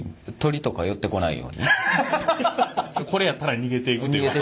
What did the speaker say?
これやったら逃げていくっていうこと？